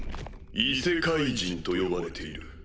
異世界人と呼ばれている。